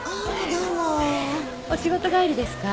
お仕事帰りですか？